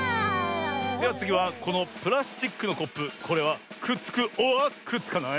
ではつぎはこのプラスチックのコップこれはくっつくｏｒくっつかない？